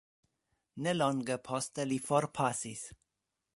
Ne longe poste li forpasis.